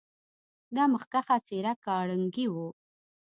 دا مخکښه څېره کارنګي و.